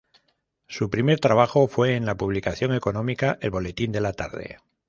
Su primer trabajo fue en la publicación económica "El boletín de la tarde".